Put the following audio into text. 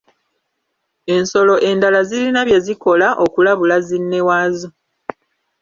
Ensolo endala zirina bye zikola okulabula zinnewaazo.